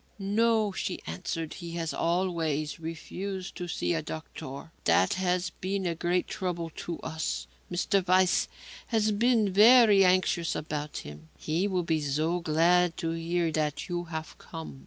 "No," she answered, "he has always refused to see a doctor. That has been a great trouble to us. Mr. Weiss has been very anxious about him. He will be so glad to hear that you have come.